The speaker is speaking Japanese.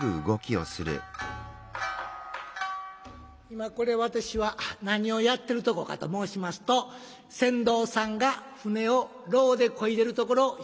今これ私は何をやってるとこかと申しますと船頭さんが船を櫓でこいでるところを表現してるんでございます。